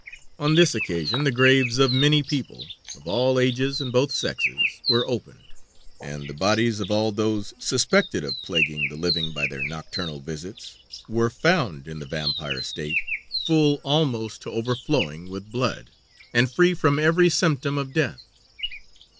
On this occasion the graves of many people, of all ages and both sexes, were opened, and the bodies of all those suspected of plaguing the living by their nocturnal visits were found in the vampire state full almost to overflowing with blood, and free from every symptom of death.